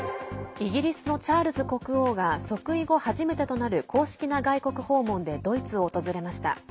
イギリスのチャールズ国王が即位後初めてとなる公式な外国訪問でドイツを訪れました。